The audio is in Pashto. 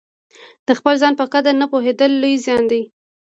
د خپل ځان په قدر نه پوهېدل لوی زیان دی.